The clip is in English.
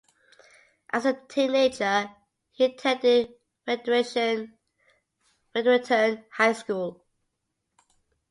As a teenager he attended Fredericton High School.